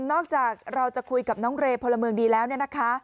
นอกจากเราจะคุยกับน้องเรย์พลเมืองดีแล้วเนี่ยนะคะ